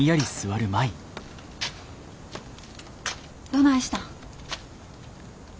どないしたん。